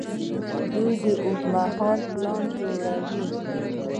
دوی اوږدمهاله پلانونه جوړوي.